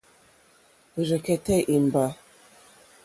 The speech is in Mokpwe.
Rzɛ̀kɛ́tɛ́ ìmbâ.